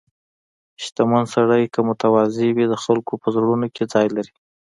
• شتمن سړی که متواضع وي، د خلکو په زړونو کې ځای لري.